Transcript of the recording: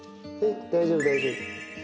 大丈夫大丈夫。